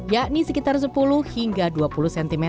yakni sekitar sepuluh hingga dua puluh cm